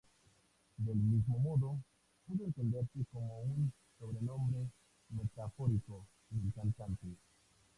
Del mismo modo, pudo entenderse como un sobrenombre metafórico del cantante.